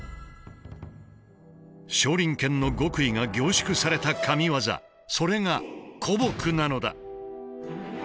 少林拳の極意が凝縮された神業それが「虎撲」なのだ。